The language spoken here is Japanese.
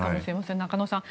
中野さん